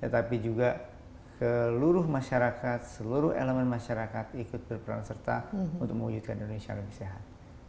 tetapi juga seluruh masyarakat seluruh elemen masyarakat ikut berperan serta untuk mewujudkan indonesia lebih sehat